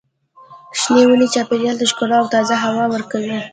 شنې ونې چاپېریال ته ښکلا او تازه هوا ورکوي.